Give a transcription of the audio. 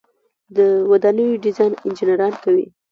د ودانیو ډیزاین انجنیران کوي